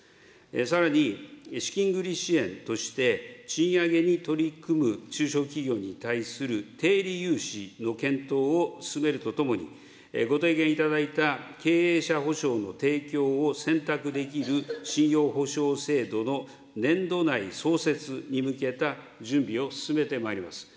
さらに、資金繰り支援として、賃上げに取り組む中小企業に対する低利融資の検討を進めるとともに、ご提言いただいた経営者保証の提供を選択できる信用保証制度の年度内創設に向けた準備を進めてまいります。